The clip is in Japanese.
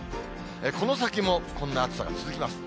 この先もこんな暑さが続きます。